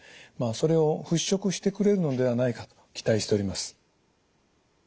それを払拭してくれるのではないかと期待しております。